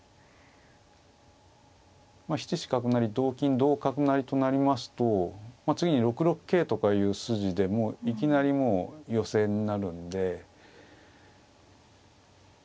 ７七角成同金同角成となりますと次に６六桂とかいう筋でいきなりもう寄せになるんで。